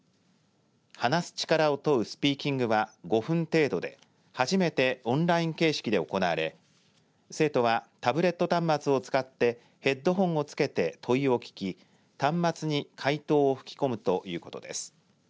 話す力を問うスピーキングは５分程度で、初めてオンライン形式で行われ生徒はタブレット端末を使ってヘッドホンを着けて問いを聞き端末に回答を吹き込むということです。